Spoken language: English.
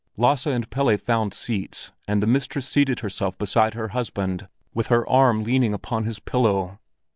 Lasse and Pelle found seats, and the mistress seated herself beside her husband, with her arm leaning upon his pillow.